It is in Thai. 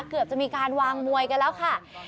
เกือบจะมีการวางมวยกันแล้วค่ะ